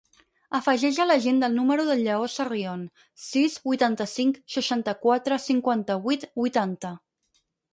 Afegeix a l'agenda el número del Lleó Sarrion: sis, vuitanta-cinc, seixanta-quatre, cinquanta-vuit, vuitanta.